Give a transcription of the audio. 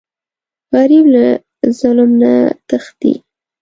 غریب له ظلم نه تښتي